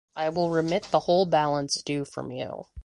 I will remit the whole balance due from you.